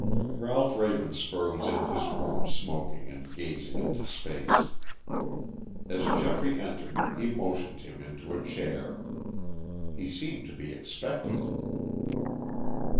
Ralph Ravenspur was in his room smoking and gazing into space. As Geoffrey entered he motioned him into a chair. He seemed to be expected.